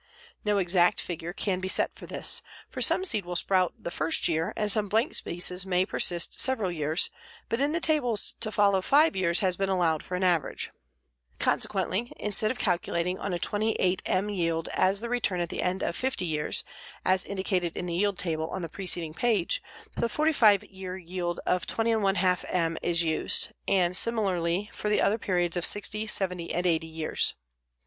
No exact figure can be set for this, for some seed will sprout the first year and some blank spaces may persist several years, but in the tables to follow five years has been allowed for an average. Consequently, instead of calculating on a 28 M yield as the return at the end of 50 years, as indicated in the yield table on the preceding page, the 45 year yield of 20 1/2 M is used, and similarly for the other periods of 60, 70 and 80 years.